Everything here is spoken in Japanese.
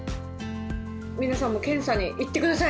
皆さんも検査に行ってください。